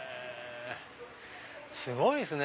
すごいっすね！